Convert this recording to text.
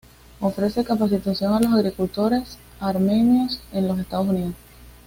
Ofrece capacitación a los agricultores armenios en los Estados Unidos.